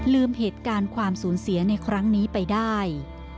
ลืมเหตุการณ์ความสูญเสียในครั้งนี้ไปได้